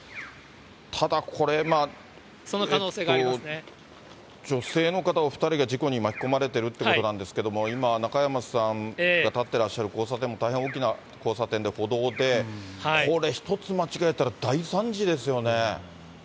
ただ、これ、女性の方お２人が事故に巻き込まれているということなんですけれども、今、中山さんが立ってらっしゃる交差点も大変大きな交差点で、歩道でこれ、一つ間違えたら大惨事ですよね。